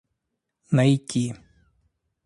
найти